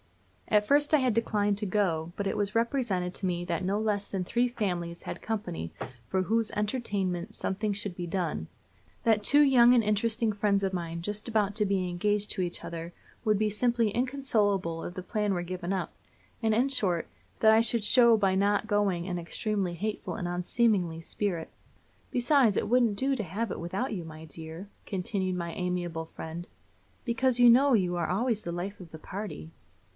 At first I had declined to go, but it was represented to me that no less than three families had company for whose entertainment something must be done; that two young and interesting friends of mine just about to be engaged to each other would be simply inconsolable if the plan were given up; and, in short, that I should show by not going an extremely hateful and unseemly spirit "besides, it wouldn't do to have it without you, my dear," continued my amiable friend, "because you know you are always the life of the party."